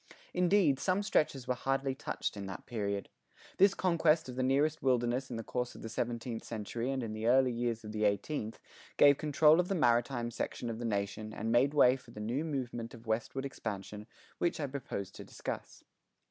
Indeed, some stretches were hardly touched in that period. This conquest of the nearest wilderness in the course of the seventeenth century and in the early years of the eighteenth, gave control of the maritime section of the nation and made way for the new movement of westward expansion which I propose to discuss.